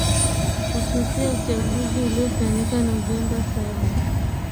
kususia uchaguzi uliofanyika novemba saba